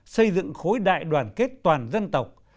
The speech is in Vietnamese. xây dựng khối đại đoàn kết toàn dân tộc